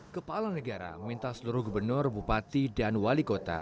kepala negara meminta seluruh gubernur bupati dan wali kota